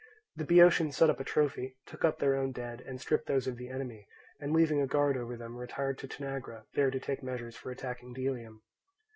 The Boeotians set up a trophy, took up their own dead, and stripped those of the enemy, and leaving a guard over them retired to Tanagra, there to take measures for attacking Delium.